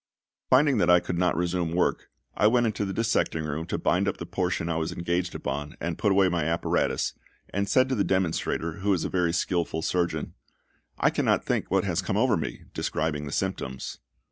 Finding that I could not resume work, I went into the dissecting room to bind up the portion I was engaged upon and put away my apparatus, and said to the demonstrator, who was a very skilful surgeon, "I cannot think what has come over me," describing the symptoms.